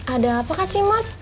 ada apa kak cimot